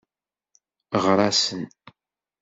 Ɣer-asen.